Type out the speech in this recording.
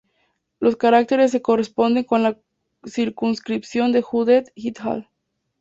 Los caracteres se corresponden con la circunscripción de Judd "et al.